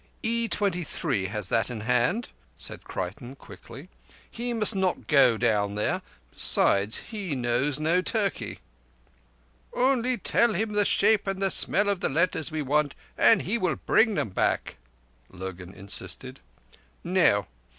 "E.23 has that in hand," said Creighton quickly. "He must not go down there. Besides, he knows no Turki." "Only tell him the shape and the smell of the letters we want and he will bring them back," Lurgan insisted. "No.